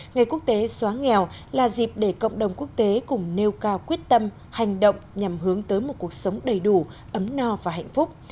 ngày quốc tế xóa nghèo là dịp để cộng đồng quốc tế cùng nêu cao quyết tâm hành động nhằm hướng tới một cuộc sống đầy đủ ấm no và hạnh phúc